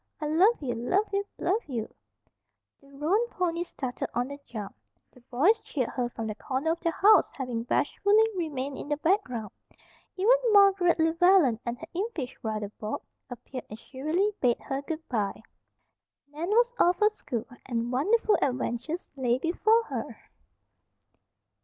I love you, love you, love you." The roan ponies started on the jump. The boys cheered her from the corner of the house, having bashfully remained in the background. Even Margaret Llewellen and her impish brother, Bob, appeared and shrilly bade her goodbye. Nan was off for school, and wonderful adventures lay before her!